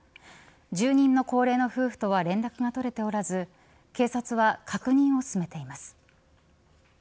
住人の高齢の夫婦とは連絡が取れておらず警察は確認を進めています。